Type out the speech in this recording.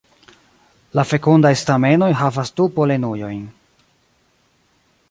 La fekundaj stamenoj havas du polenujojn.